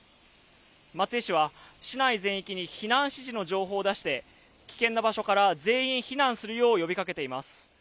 松江市は市内全域に避難指示の情報を出して危険な場所から全員避難するよう呼びかけています。